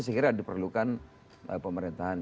sekiranya diperlukan pemerintahan